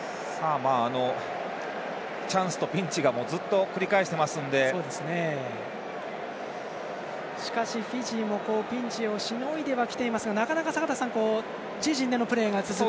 チャンスとピンチがしかし、フィジーもピンチをしのいではきていますがなかなか、自陣でのプレーが続く。